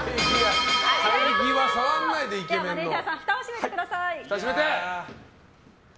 マネジャーさんふたを閉めてください。